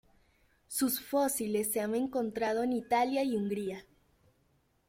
Sus fósiles se han encontrado en Italia y Hungría.